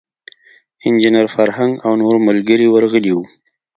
انجینیر فرهنګ او نور ملګري ورغلي وو.